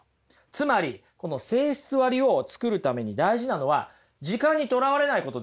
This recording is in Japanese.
つまりこの性質割を作るために大事なのは時間に囚われないことですから。